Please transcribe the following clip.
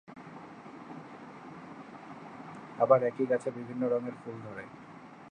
আবার একই গাছে বিভিন্ন রঙের ফুল ধরে।